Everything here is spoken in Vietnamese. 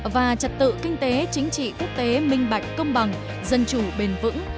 và trật tự kinh tế chính trị quốc tế minh bạch công bằng dân chủ bền vững